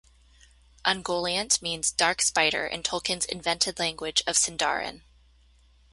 "Ungoliant" means "dark spider" in Tolkien's invented language of Sindarin.